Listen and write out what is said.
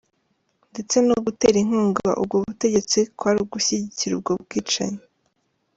Ndetse no gutera inkunga ubwo butegetsi kwari ugushyigikira ubwo bwicanyi.